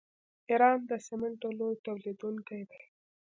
ایران د سمنټو لوی تولیدونکی دی.